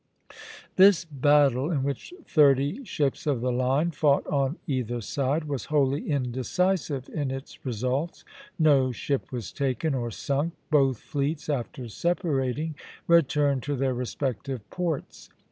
This battle, in which thirty ships of the line fought on either side, was wholly indecisive in its results. No ship was taken or sunk; both fleets, after separating, returned to their respective ports.